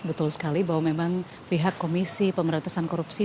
betul sekali bahwa memang pihak komisi pemberantasan korupsi